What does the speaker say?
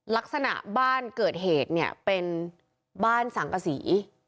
ลักษณะบ้านเกิดเหตุเนี่ยเป็นบ้านสังกษี